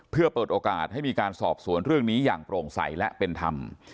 เพื่อเปิดโอกาสให้มีการสอบสวนเรื่องนี้อย่างโปร่งใสและเป็นธรรม